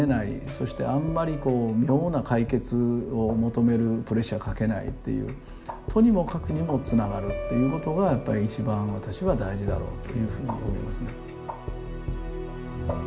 そしてあんまりこう妙な解決を求めるプレッシャーかけないっていうとにもかくにもつながるっていうことがやっぱり一番私は大事だろうというふうに思いますね。